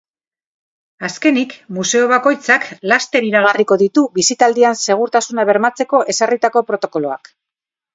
Azkenik, museo bakoitzak laster iragarriko ditu bisitaldian segurtasuna bermatzeko ezarritako protokoloak.